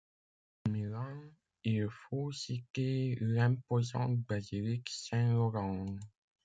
À Milan il faut citer l'imposante basilique Saint-Laurent.